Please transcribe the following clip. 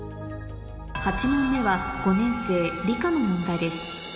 ８問目は５年生理科の問題です